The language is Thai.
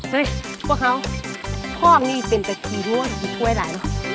เฮ้ยพวกเขาพร้อมนี่เป็นแต่ทีด้วยพี่ปลวยอะไรนะ